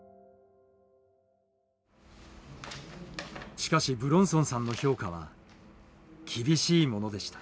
しかし武論尊さんの評価は厳しいものでした。